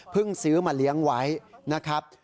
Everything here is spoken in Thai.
ซื้อมาเลี้ยงไว้นะครับ